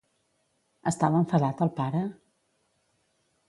Estava enfadat el pare?